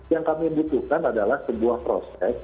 yang kami butuhkan adalah sebuah proses